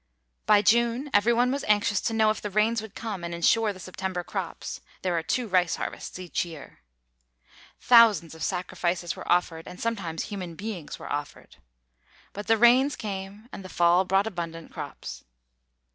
By June, every one was anxious to know if the rains would come and insure the September crops there are two rice harvests each year. Thousands of sacrifices were offered, and sometimes human beings were offered. But the rains came, and the fall brought abundant crops.